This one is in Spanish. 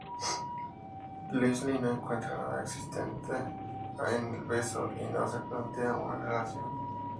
Leslie no encuentra nada excitante el beso y no se plantea una relación.